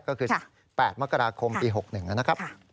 ก็คือ๘มกราคมปี๖๑นะครับ